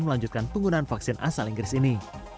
melanjutkan penggunaan vaksin asal inggris ini